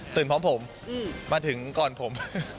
พร้อมผมมาถึงก่อนผม